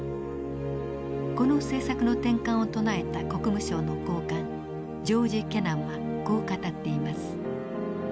この政策の転換を唱えた国務省の高官ジョージ・ケナンはこう語っています。